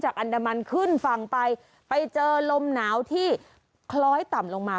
อันดามันขึ้นฝั่งไปไปเจอลมหนาวที่คล้อยต่ำลงมา